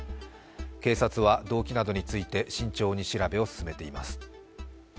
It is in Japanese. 警察は動機などについて慎重に調べを進めています。